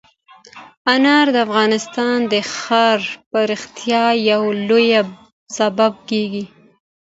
انار د افغانستان د ښاري پراختیا یو لوی سبب کېږي.